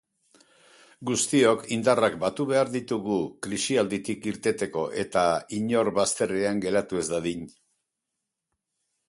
Guztiok indarrak batu behar ditugu krisialditik irteteko eta inor bazterrean geratu ez dadin.